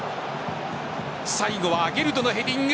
最後はアゲルドのヘディング。